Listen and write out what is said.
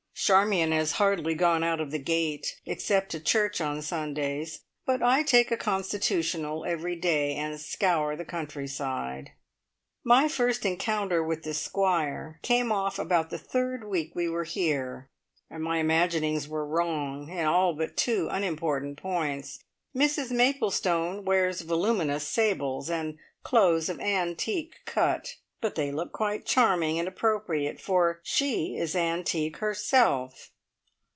Charmion has hardly gone out of the gate, except to church on Sundays, but I take a constitutional every day, and scour the country side. My first encounter with the Squire came off about the third week we were here, and my imaginings were wrong in all but two unimportant points. Mrs Maplestone wears voluminous sables and clothes of antique cut; but they look quite charming and appropriate, for she is antique herself!